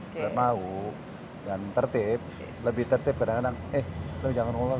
kalau mau dan tertib lebih tertib kadang kadang eh lo jangan ngomong dong